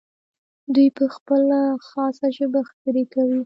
دوی په خپله خاصه ژبه خبرې کوي.